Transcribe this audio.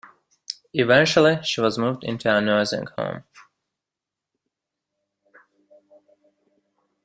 Eventually, she was moved into a nursing home.